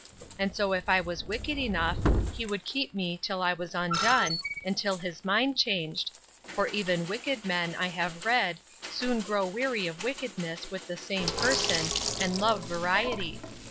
And so if I was wicked enough, he would keep me till I was undone, and till his mind changed; for even wicked men, I have read, soon grow weary of wickedness with the same person, and love variety.